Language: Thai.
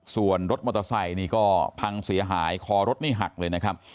ส่วนรถมอเตอร์ไซค์นี่ก็พังเสียหายคอรถนี่หักเลยนะครับ